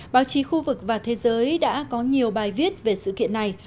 báo chí khu vực và thế giới đã có nhiều bài viết về sự kiện này